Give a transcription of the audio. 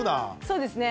そうですね。